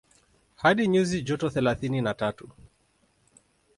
Hadi nyuzi joto thelathini na tatu